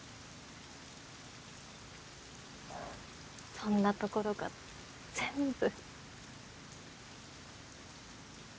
そんなところが全部。